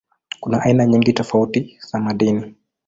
Kuna aina nyingi tofauti za madini.